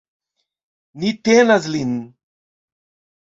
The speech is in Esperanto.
Ni tenas lin!